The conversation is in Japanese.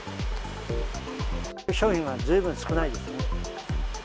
商品はずいぶん少ないですね。